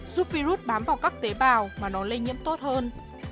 giúp virus bám vào các tế bào mà nó lây nhiễm tốt hơn